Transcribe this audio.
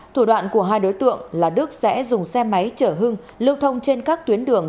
thủ đoạn của hai đối tượng là đức sẽ dùng xe máy chở hưng lưu thông trên các tuyến đường